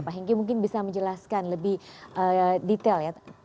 pak hengki mungkin bisa menjelaskan lebih detail ya